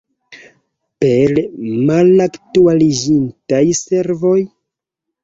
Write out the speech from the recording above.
Per malaktualiĝintaj servoj?